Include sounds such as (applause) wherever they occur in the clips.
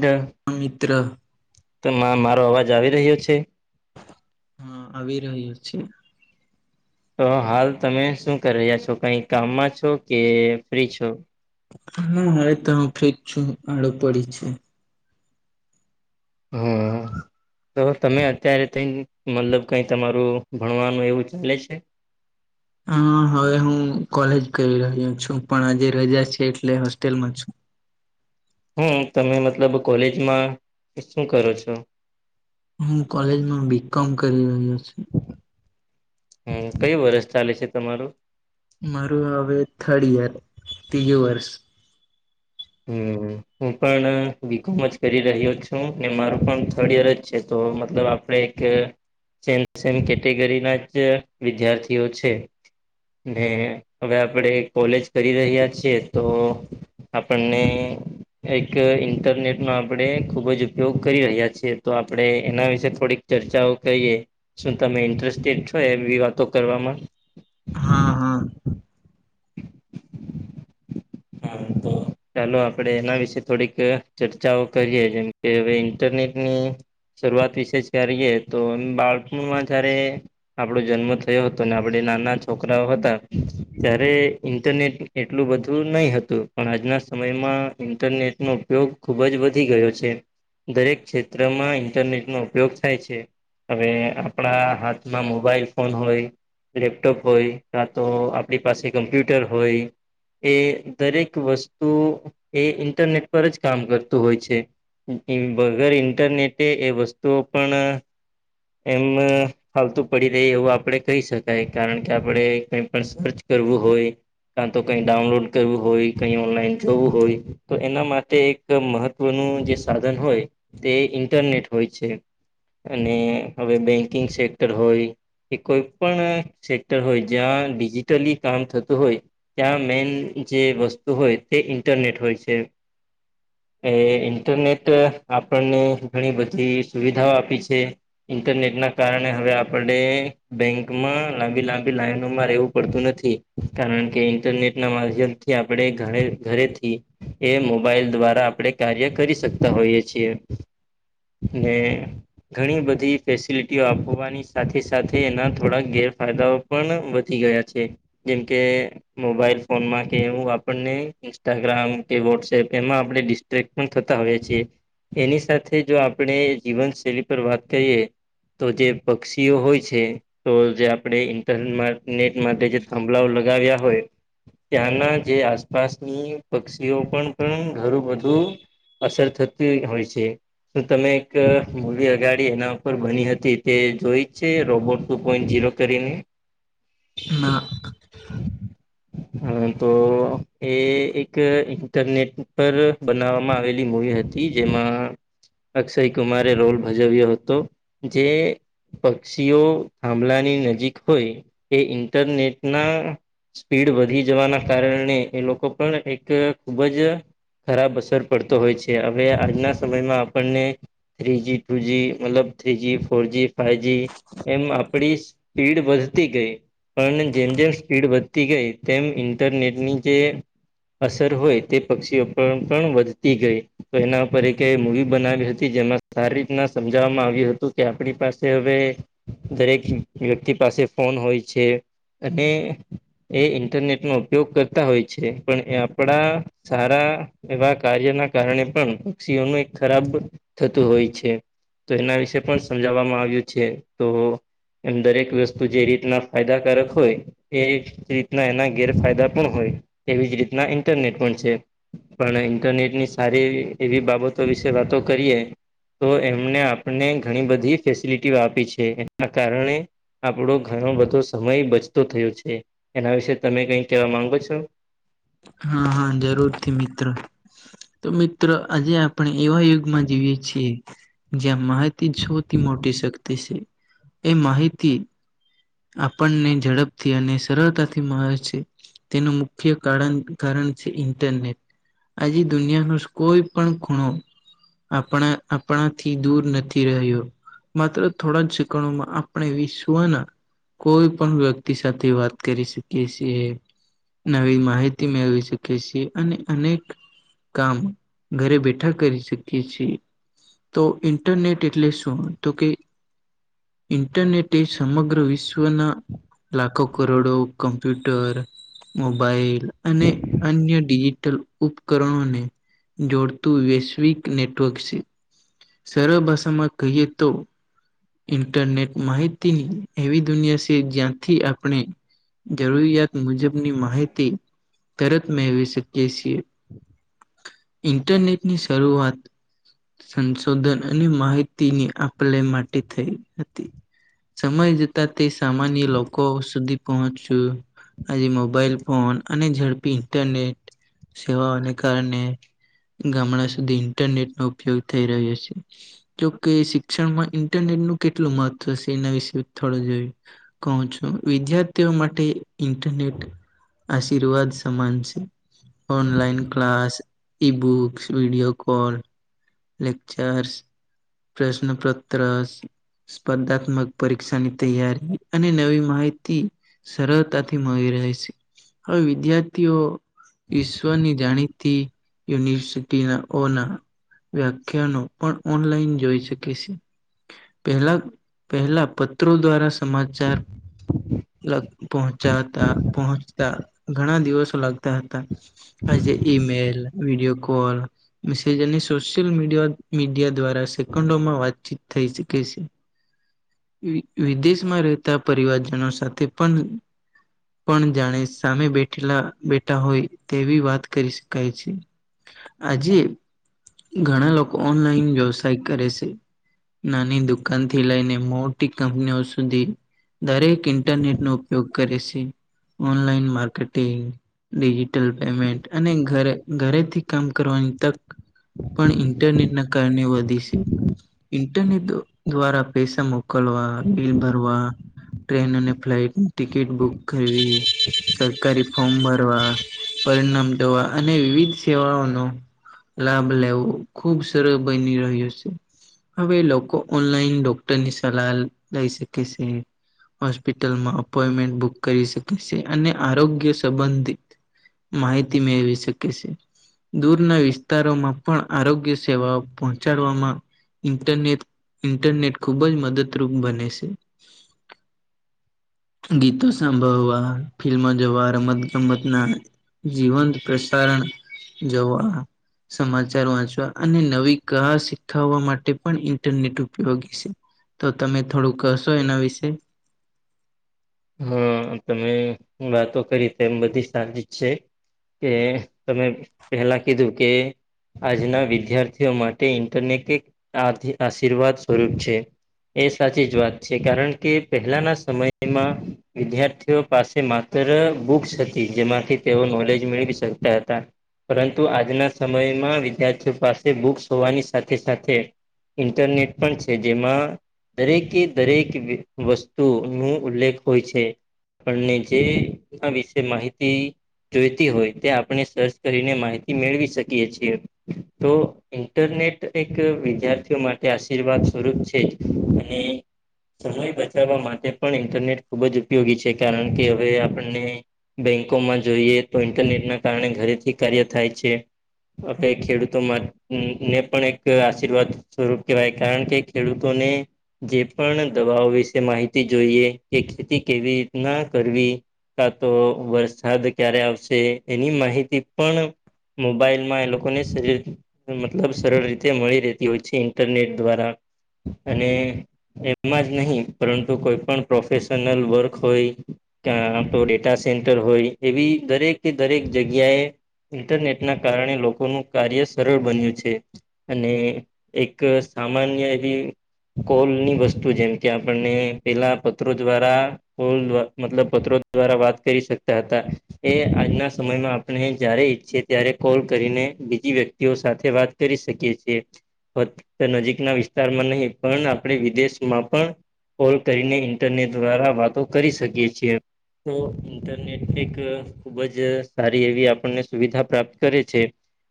દ (inaudible) અ મિત્ર તમ મારો અવાજ આવી રહ્યો છે. હા આવી રહ્યો છે. તો હાલ તમે શું કરી રહ્યા છો કઈક કામમાં છો કે ફ્રી છો? ના હરે તો હું ફ્રી જ છું આડું પડી છુ. હમ તો તમે અત્યારે થઈ મતલબ કઈ તમારું ભણવાનું એવું ચાલે છે. હ હવે હું કોલેજ કરી રહ્યો છું પણ આજે રજા છે એટલે હોસ્ટેલમાં છું. હમ તમે મતલબ કોલેજમાં શું કરો છો? હું કોલેજમાં બી કોમ કરી રહ્યો છું. હમ કયું વરષ ચાલે છે તમારું મારું હવે થર્ડ યર, ત્રીજું વર્ષ હમ હું પણ બીકોમ જ કરી રહ્યો છું ને મારું પણ થર્ડ યર જ છે તો મતલબ આપણે (unintelligible) કેટેગરી ના જ વિદ્યાર્થીઓ છે. ને હવે આપડે કોલેજ કરી રહ્યા છીએ તો પને એક ઇન્ટરનેટ નો આપણેે ખુબ જ ઉપયોગ કરી રહ્યા છીએ તો આપડણે એના વિશેે થોડીક ચર્ચાઓ કહીએ શું તમે ઇન્ટરેસ્ટેડ છો એવી વાતો કરવામાં હા હા હ તો ચાલો આપણેે એના વિશે થોડીક ચર્ચાઓ કરીએ જેમ કે હવે ઇન્ટરનેટની શરૂઆત વિશેષ કરીએ તો બાળપુણમાં જયારે આપણો જન્મ થયો હતો અને આપણે નાના છોકરાઓ હતા ત્યારે ઇન્ટરનેટ એટલું બધું. નહી હતું પણ આજના સમયમાં ઇન્ટરનેટ નો ઉપયોગ ખુબ જ વધી ગયો છે. દરેક ક્ષેત્રમાં ઇન્ટરનેટનો ઉપયોગ થાય છે. હવે આપણા હાથમાં મોબાઈલ ફોન હોય લેપટોપ હોય કાં તો આપડી પાસે કમ્પ્યુટર હોય એ દરેક વસ્તુ એ ઇન્ટરનેટ પર જ કામ કરતું હોય છે વગર ઇન્ટરનેટે એ વસ્તુઓ પણ એમ ફાલતું પડી રેય એવું આપડે કહી શકાય કારણ કે આપડે કઈ પણ સર્ચ કરવું હોય કા તો કઈ ડાઉનલોડ કરવું હોય કઈ ઓનલાઈન જોવું હોય તો એના માટે એક મહ ત્વનું જે સાધન હોય તે ઇન્ટરનેટ હોય છે અને હવે બેંકિંગ સેક્ટર હોય કે કોઈ પણ સેક્ટર હોય જ્યાં ડિજિટલી કામ થતું હોય ત્યાં મેન જે વસ્તુ હોય તે ઇન્ટરનેટ હોય છે. એ ઇન્ટરનેટ આપણને ઘણી બધી સુવિધાઓ આપી છે. ઇન્ટરનેટ ના કારણે હવે આપણે બેંકમાં લાંબી લાંબી લાઈનોમાં રહેવું પડતું નથી. કારણ કે ઇન્ટરનેટ ના માધ્યમથી આપડે ઘ ઘરેથી. એ મોબાઈલ દ્વારા આપડે કાર્ય કરી શકતા હોઈએ છીએ. અને ઘણી બધી ફેસિલિટીઓ આપવાની સાથે સાથે એના થોડાક ગેરફાયદાઓ પણ વધી ગયા છે જેમકે મોબાઈલ. ફોનમાં કે એવું આપને ઇન્સ્ટાગ્રામ કે વોટ્સએપ એમાં આપડે ડિસ્ટ્રેક્ટ પણ થતા હોયએ છીએ. એની સાથે જો આપડે જીવનશૈલી પર વાત કરીએ. તો જે પક્ષીઓ હોય છે તો જે આપડે ઇન્ટરમાંમ. નેટ માટે જે થાંભલાઓ લગાવ્યા હોય. ત્યાંના જે આસપાસની પક્ષીઓ પણ પણ ઘરું બધું. અસર થતી હોય છે. શું તમે એક મૂવી અગાડી એના ઉપર બની હતી તે જોઈ જ છે રોબોટ ટુ પોઈન્ટ ઝીરો કરીને ના હ તો એ એક ઇન્ટરનેટ પર બનાવવામાં આવેલી મૂવી હતી જેમાં અક્ષય કુમારે રોલ ભજવ્યો હતો જે. પક્ષીઓ થાંભલાની નજીક હોય એ ઇન્ટરનેટના સ્પીડ વધી જવાના કારણે એ લોકો પણ એક ખૂબ જ ખરાબ અસર પડતો હોય છે હવે આજના સમયમાં આપણને થ્રી જી ટુ જી મતલબ three G four G five G એમ આપડી સ્પીડ વધતી ગઈ પણ જેમ જેમ સ્પીડ વધતી. તી ગઈ તેમ ઇન્ટરનેટની જે. અસર હોય તે પક્ષીઓ પણ પણ વધતી ગઈ. તો એના પર એક મુવી બનાવી હતી જેમાં સારી રીતના સમજાવામાં આવ્યું હતું કે આપડી પાસે હવે. દરેક વ્યક્તિ પાસે ફોન હોય છે અને. એ ઇન્ટરનેટનો ઉપયોગ કરતા હોય છે પણ એ આપડા. સારા એવા કાર્યના કારણે પણ પક્ષીઓનું એક ખરાબ. થતું હોય છે તો એના વિશે પણ સમજાવામાં આવ્યું છે તો. એમ દરેક વસ્તુ જે રીતના ફાયદાકારક હોય એ. રીતના એના ગેરફાયદા પણ હોય એવી જ રીતના ઇન્ટરનેટ પણ છે. પણ ઇન્ટરનેટ ની સારી એવી બાબતો વિશે વાતો કરીએ. તો એમને આપને ઘણી બધી ફેસિલિટીઓ આપી છે એના કારણે. આપણો ઘણો બધો સમય બચતો થયો છે એના વિશે તમે કઈ કેવા માંગો છો? હા હા જરૂરથી મિત્ર તો મિત્ર આજે આપ પણ એવા યુગમાં જીવીએ છીએ જ્યાં માહિતી સૌથી મોટી શક તિ શે એ માહિતી. આપણને ઝડપથી અને સરળતાથી મળે છે. તેનું મુખ્ય કારણ કારણ છે ઇન્ટરનેટ. આજે દુનિયા નો કોઈ પણ ખૂણો. આપણા, આપણાથી દૂર નથી રહ્યો. માત્ર થોડા જ શિકણોમાં આપણે વિશ્વના કોઈ પણ વ્યક્તિ સાથે વાત કરી શકીએ છીએ. નવી માહિતી મેળવી શકી છીએ અને અનેક કામ ઘરે બેઠા કરી શકીએ છીએ. તો ઇન્ટરનેટ એટલે શું? તો કે ઇન્ટરનેટ એ સમગ્ર વિશ્વ વિશ્વના લાખો કરોડો કમ્પ્યુટર મોબાઈલ અને અન્ય ડિજિટલ ઉપકરણોને જોડતું વૈશ્વિક નેટવર્ક છે. સરળ ભાષામાં કહીએ તો ઇન્ટરનેટ માહિતીની એવી દુનિયા છે જ્યાંથી આપણે જરૂરિયાત મુજબની માહિતી તરત મેળવી શકીએ છીએ ઇન્ટરનેટની શરૂઆત સંશોધન અને માહિતીની આપલે માટે થઈ હતી. સમય જતા તે સામાન્ય લોકો સુધી પહોંચું આજે મોબાઈલ ફોન અને ઝડપી ઇન્ટરનેટ સેવાઓને કારણે ગામડા સુધી ઇન્ટરનેટ નો ઉપયોગ થઈ રહ્યો છે. જોકે શિક્ષણમાં ઈન્ટરનેટનું કેટલું મહત્વશે એના વિશે થોડું જોયું કહું છું. વિદ્યાર્થીઓ માટે ઇન્ટરનેટ આશીર્વાદ સમાન છે. Online class e books video call lectures પ્રશ્નોપત્રસ સ્પર્ધાત્મક પરીક્ષાની તૈયારી અને નવી માહિતી સરળતાથી મળી રહે છે હવે વિદ્યાર્થીઓ વિશ્વની જાણીતી યુનિવર્સિટી ના ઓના વ્યાખ્યાનો પણ ઓનલાઈન જોઈ શકે છે. પહેલા પહેલા પત્રો દ્વારા સમાચાર પહોંચ્યા હતા પહોંચતા ઘણા દિવસો લાગતા હતા. Email video call message social media media દ્વારા સેકન્ડોમાં વાતચીત થઈ શકે છે. વિદેશમાં રહેતા પરિવારજનો સાથે પણ પણ જાણે સામે બેઠેલા બેઠા હોય તેવી વાત કરી શકાય છે. આજે ઘણા લોકો ઓનલાઈન વ્યવસાય કરે છે. નાની દુકાનથી લઈને મોટી કંપનીઓ સુધી દરેક ઇન્ટરનેટ નો ઉપયોગ કરે છે ઓનલાઈન માર્કેટિંગ ડિજિટલ પેમેન્ટ અને ઘરે ઘરેથી કામ કરવાની તક પણ ઇન્ટરનેટના કારણે વધી છે. ઇન્ટરનેટ દ્વારા પૈસા મોકલવા બીલ ભરવા, ટ્રેન અને ફ્લાઇટની ટિકિટ બુક કરવી. સરકારી ફોર્મ ભરવા પરિણામ દવા અને વિવિધ સેવાઓનો લાભ લેવો ખુબ સરળ બની રહ્યો છે. હવે લોકો ઓનલાઈન ડોક્ટરની સલાહ લઈ શકે છે. હોસ્પિટલમાં અપોઈન્ટમેન્ટ બુક કરી શકે છે. અને આરોગ્ય સંબંધિત માહિતી મેળવી શકે છે. દૂરના વિ વિસ્તારોમાં પણ આરોગ્ય સેવાઓ પહોંચાડવામાં ઇન્ટરનેટ ઇન્ટરનેટ ખુબ જ મદદરૂપ બને છે. ગીતો સાંભળવા ફિલ્મો જોવા રમત ગમતના જીવંત પ્રસારણ જવા સમાચાર વાંચવા અને નવી કહા શીખવવા માટે પણ ઇન્ટરનેટ ઉપયોગી છે. તો તમે થોડું કશો એના વિશે હા તમે વાતો કરી તો એમ બધી સા છે. કે તમે પેલા કીધું કે આજના વિદ્યાર્થીઓ માટે ઇન્ટરનેટ એક આશીર્વાદ સ્વરૂપ છે. એ સાચી જ વાત છે કારણ કે પહેલાના સમયમાં વિદ્યાર્થીઓ પાસે માત્ર બુક્સ હતી જેમાંથી તેઓ નોલેજ મેળવી શકતા હતા. પરંતુ આજના સમયમાં વિદ્યાર્થીઓ પાસે બુક્સ હોવાની સાથે સાથે ઇન્ટરનેટ પણ છે જેમાં દરેકે દરેક વસ્તુ ન ઉલ્લેખ હોય છે. જેના વિશે માહિતી- - જોઈતી હોય તે આપણે સર્ચ કરીને માહિતી મેળવી શકીએ છીએ તો- - ઇન્ટરનેટ એક વિદ્યાર્થીઓ માટે આશીર્વાદ સ્વરૂપ છે જ અને- - સમય બચાવવા માટે પણ ઇન્ટરનેટ ખૂબ જ ઉપયોગી છે કારણ કે હવે આપણને- - બેંકોમાં જોઈએ તો ઇન્ટરનેટના કારણે ઘરેથી કાર્ય થાય છે. હવે ખેડૂતોમાં ને પણ એક આશીર્વાદ સ્વરૂપ કહેવાય કારણ કે- - ખેડૂતોને જે પણ દવાઓ વિશે માહિતી જોઈએ- - કે ખેતી કેવી રીત ના કરવી- - કા તો વરસાદ ક્યારે આવશે એની માહિતી પણ- - મોબાઈલમાં એ લોકોને શરીર- - મતલબ સરળ રીતે મળી રહેતી હોય છે ઇન્ટરનેટ દ્વારા- - અને એમાં જ નહી પરંતુ કોઈ પણ- - પ્રોફેશનલ વર્ક હોય- - આપ ડેટા સેન્ટર હોય એવી દરેક કે દરેક જગ્યાએ- - ઇન્ટરનેટના કારણે લોકોનું કાર્ય સરળ બન્યું છે- - અને એક સામાન્ય એવી- - કોલની વસ્તુ જેમ કે આપણને પેલા- - પત્રો દ્વારા મતલબ પત્રો દ્વારા વાત કરી શકતા હતા. એ આજના સમયમાં આપણે જય્યારે ઈચ્છીએ ત્યારે કોલ કરીને બીજી વ્યક્તિઓ સાથે વાત- - કરી શકીએ છીએ- - નજીકના વિસ્તારમાં નહીં પણ આપણે વિદેશમાં પણ કોલ કરીને- - ઇન્ટરનેટ દ્વારા વાતો કરી શકીએ છીએ તો ઇન્ટરનેટ એક- - ખુબ જ સારી એવી આપણને સુવિધા પ્રાપ્ત કરે છે.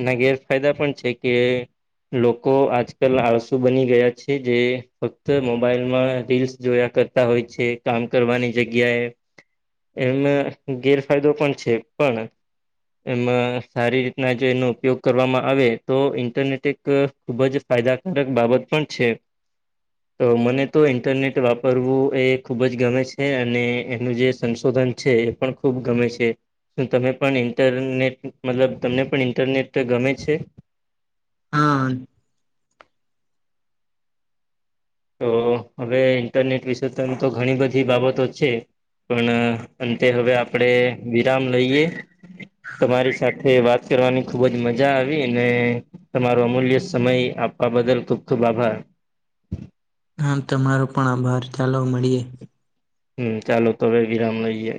એના ગેરફાયદા પણ છે કે- - લોકો આજકાલ આળસુ બની ગયા છે જે ફક્ત મોબાઈલમાં રીલ્સ જોયા કરતા- - હોય છે કામ કરવાની જગ્યાએ- - એમાં ગેરફાયદો પણ છે પણ- - એમાં સારી રીતના જે એનો ઉપયોગ કરવામાં આવે તો ઇન્ટરનેટ એક- - ખૂબ જ ફાયદાકારક બાબત પણ છે તો મને તો ઇન્ટરનેટ વાપરવું- - એ ખૂબ જ ગમે છે અને એનું જે સંશોધન છે એ પણ ખૂબ ગમે છે. તમે પણ ઇન્ટરનેટ મતલબ તમને પણ ઇન્ટરનેટ ગમે છે? હા. તો હવે ઇન્ટરનેટ વિશે ત તો ઘણી બધી બાબતો છે. પણ અંતે હવે આપડે વિરામ લઈએ. તમારી સાથે વાત કરવાની ખુબ જ મજા આવી ને- - તમારો અમૂલ્ય સમય આપવા બદલ ખુબ ખુબ આભાર. હા તમારો પણ આભાર ચાલો મળીએે. હમ ચાલો તોવે વિરામ લઈએે.